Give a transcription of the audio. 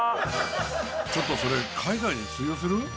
ちょっとそれ海外で通用する？